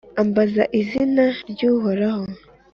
ambaza izina ry’uhoraho !